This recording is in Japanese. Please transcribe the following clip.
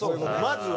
まずは。